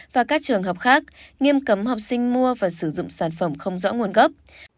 và các trường học khác nghiêm cấm học sinh mua và sử dụng sản phẩm không rõ nguồn gấp